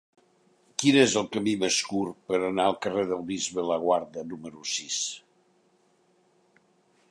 Quin és el camí més curt per anar al carrer del Bisbe Laguarda número sis?